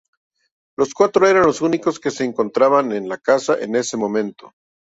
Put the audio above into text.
Los cuatro eran los únicos que se encontraban en la casa en ese momento.